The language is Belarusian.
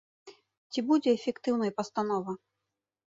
Ці будзе эфектыўнай пастанова?